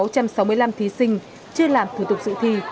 các thí sinh chưa làm thủ tục sự thi